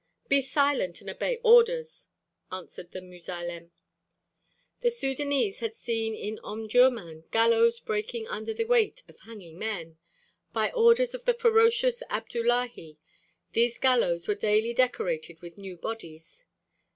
"Be silent and obey orders!" answered the muzalem. The Sudânese had seen in Omdurmân gallows breaking under the weight of hanging men. By order of the ferocious Abdullahi these gallows were daily decorated with new bodies.